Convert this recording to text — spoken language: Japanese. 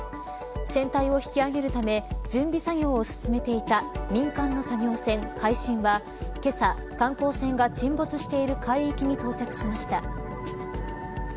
船体を引き揚げるため準備作業を進めていた民間の作業船、海進はけさ、観光船が沈没している海域に到着しました。